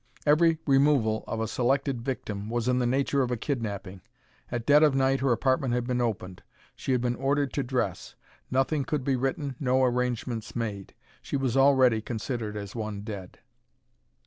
Every removal of a selected victim was in the nature of a kidnapping. At dead of night her apartment had been opened. She had been ordered to dress. Nothing could be written, no arrangements made. She was already considered as one dead.